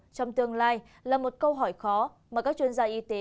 trong tương lai là một câu hỏi khó mà các chuyên gia y tế